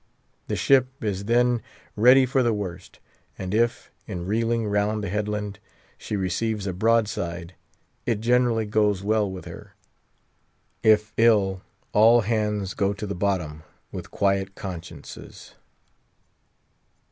The ship is then ready for the worst; and if, in reeling round the headland, she receives a broadside, it generally goes well with her. If ill, all hands go to the bottom with quiet consciences.